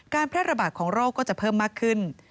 แพร่ระบาดของโรคก็จะเพิ่มมากขึ้น